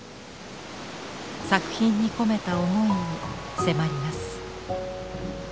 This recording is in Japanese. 作品に込めた思いに迫ります。